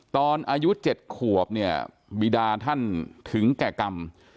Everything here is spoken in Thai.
อายุ๗ขวบเนี่ยบีดาท่านถึงแก่กรรม